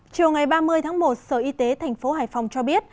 chiều ngày ba mươi tháng một sở y tế tp hải phòng cho biết